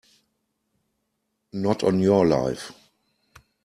Not on your life!